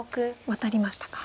ワタりましたか。